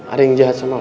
ada yang jahat sama lo